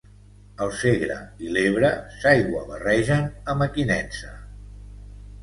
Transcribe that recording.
El Segre i l'Ebre s'aiguabarregen a Mequinensa.